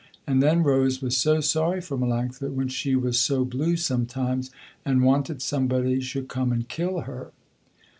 And then Rose was so sorry for Melanctha, when she was so blue sometimes, and wanted somebody should come and kill her.